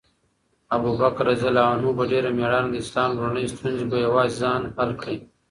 ابوبکر رض په ډېره مېړانه د اسلام لومړنۍ ستونزې په یوازې ځان حل کړې.